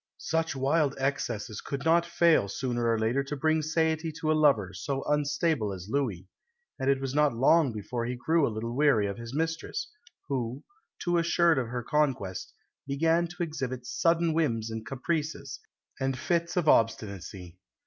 Such wild excesses could not fail sooner or later to bring satiety to a lover so unstable as Louis; and it was not long before he grew a little weary of his mistress, who, too assured of her conquest, began to exhibit sudden whims and caprices, and fits of obstinacy.